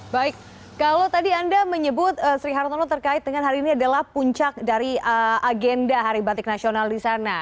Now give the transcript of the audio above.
baik kalau tadi anda menyebut sri hartono terkait dengan hari ini adalah puncak dari agenda hari batik nasional di sana